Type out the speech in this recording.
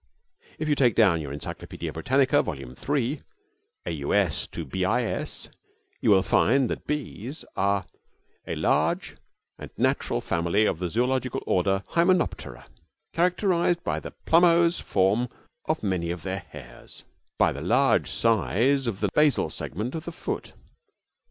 If you take down your Encyclopaedia Britannica, Volume III, AUS to BIS, you will find that bees are a 'large and natural family of the zoological order Hymenoptera, characterized by the plumose form of many of their hairs, by the large size of the basal segment of the foot